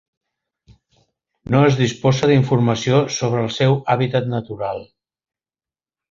No es disposa d'informació sobre el seu hàbitat natural.